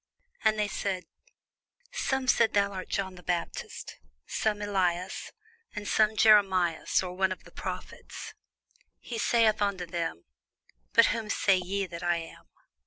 And they said, Some say that thou art John the Baptist: some, Elias; and others, Jeremias, or one of the prophets. He saith unto them, But whom say ye that I am?